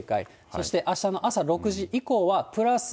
そしてあしたの朝６時以降は、プラス